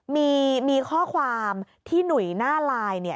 มีข้อความที่หนุ่ยหน้าไลน์เนี่ย